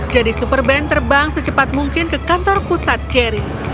jadi super ben terbang secepat mungkin ke kantor pusat jerry